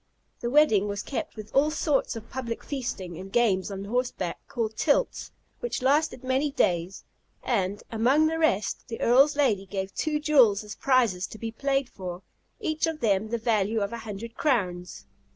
The wedding was kept with all sorts of public feasting, and games on horseback, called tilts, which lasted many days; and, among the rest, the Earl's lady gave two jewels as prizes to be played for, each of them the value of a hundred crowns.